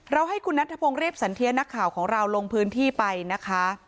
ให้คุณนัทธพงศ์เรียบสันเทียนักข่าวของเราลงพื้นที่ไปนะคะ